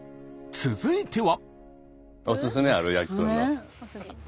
続いては。